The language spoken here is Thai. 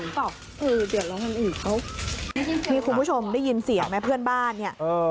ที่นี่คุณผู้ชมได้ยินเสียงแม่เพื่อนบ้านเนี่ยเออ